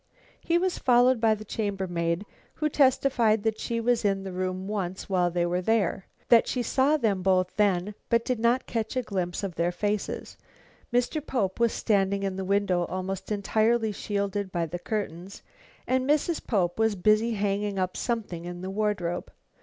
He was followed by the chambermaid, who testified that she was in the room once while they were there; that she saw them both then, but did not catch a glimpse of their faces; Mr. Pope was standing in the window almost entirely shielded by the curtains, and Mrs. Pope was busy hanging up something in the wardrobe.